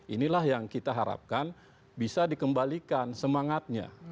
inilah yang kita harapkan bisa dikembalikan semangatnya